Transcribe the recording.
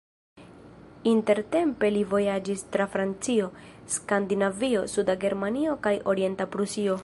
Intertempe li vojaĝis tra Francio, Skandinavio, Suda Germanio kaj Orienta Prusio.